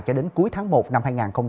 cho đến cuối tháng một năm hai nghìn hai mươi